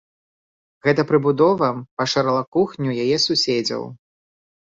Гэта прыбудова пашырыла кухню яе суседзяў.